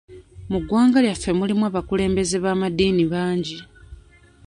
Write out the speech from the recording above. Mu ggwanga lyaffe mulimu abakulembeze b'amaddiini bangi.